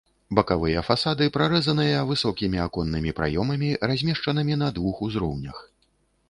Бакавыя фасады прарэзаныя высокімі аконнымі праёмамі, размешчанымі на двух узроўнях.